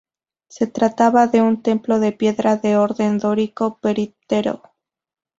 Se trataba de un templo de piedra de orden dórico períptero.